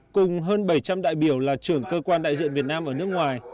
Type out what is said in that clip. cùng hơn bảy trăm linh đại biểu là trưởng cơ quan đại diện việt nam ở nước ngoài